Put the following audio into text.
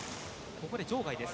ここで場外です。